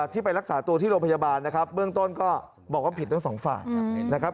ที่ไปรักษาตัวที่โรงพยาบาลนะครับเบื้องต้นก็บอกว่าผิดทั้งสองฝ่ายนะครับ